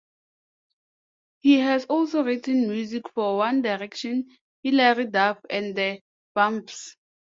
He has also written music for One Direction, Hilary Duff and the Vamps.